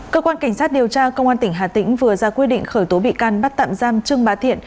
cơ quan cảnh sát điều tra công an tỉnh hà tĩnh vừa ra quyết định khởi tố bị can bắt tạm giam trương bá thiện